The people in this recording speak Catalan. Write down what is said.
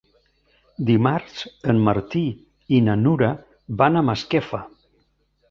Dimarts en Martí i na Nura van a Masquefa.